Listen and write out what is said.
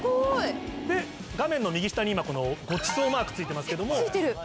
で画面の右下に今このごちそうマークついてますけども。ついてる。